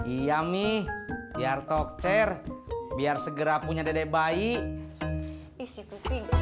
iya mi biar toksir biar segera punya dedek bayi isi putih